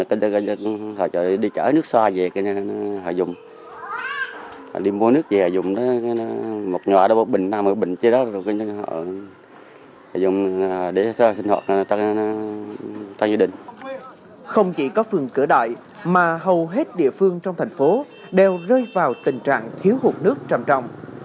không chỉ có phường cửa đại mà hầu hết địa phương trong thành phố đều rơi vào tình trạng thiếu hụt nước trầm trọng